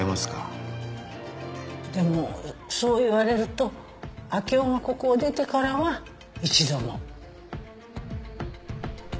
でもそう言われると明生がここを出てからは一度も。